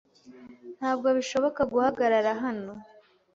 Ntabwo bishoboka guhagarara hano.